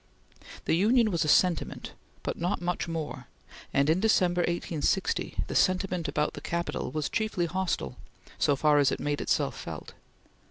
The Union was a sentiment, but not much more, and in December, 1860, the sentiment about the Capitol was chiefly hostile, so far as it made itself felt.